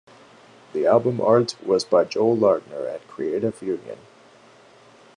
The album art was by Joel Lardner at Creative Union.